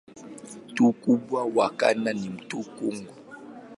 Mto mkubwa wa kanda ni mto Kongo.